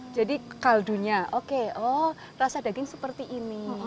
jadi kaldunya oke rasa daging seperti ini